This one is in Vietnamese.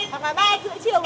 hoặc là ba h ba mươi chiều